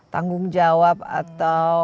tanggung jawab atau